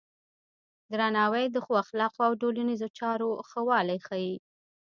درناوی د ښو اخلاقو او د ټولنیزو چارو ښه والی ښيي.